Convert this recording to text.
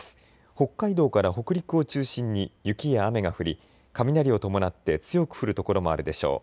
北海道から北陸を中心に雪や雨が降り雷を伴って強く降る所もあるでしょう。